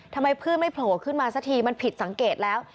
ทำไมเพื่อนไม่โผล่ขึ้นมาสักทีมันผิดสังเกตแล้ว